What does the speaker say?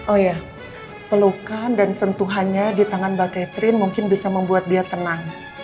oh iya pelukan dan sentuhannya di tangan mbak catherine mungkin bisa membuat dia tenang